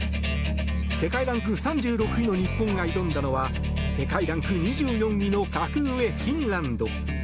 世界ランク３６位の日本が挑んだのは世界ランク２４位の格上フィンランド。